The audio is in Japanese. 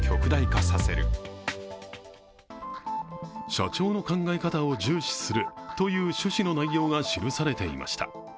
社長の考え方を重視するという趣旨の内容が記されていました。